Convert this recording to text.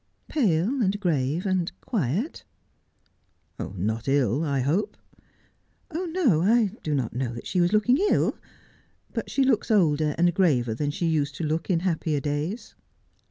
' Pale, and grave, and quiet.' ' Not ill, I hope 1 '' No, I do not know that she was looking ill ; but she looks older and graver than she used to look in happier days.'